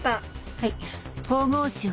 はい。